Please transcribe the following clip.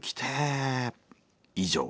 以上。